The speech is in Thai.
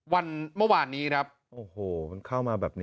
วันเมื่อวานนี้ครับโอ้โหมันเข้ามาแบบนี้